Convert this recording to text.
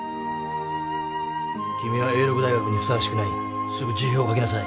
君は永禄大学にふさわしくないすぐ辞表を書きなさい